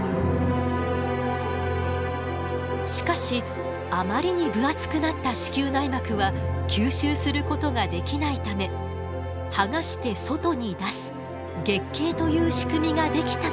しかしあまりに分厚くなった子宮内膜は吸収することができないためはがして外に出す月経という仕組みが出来たと考えられています。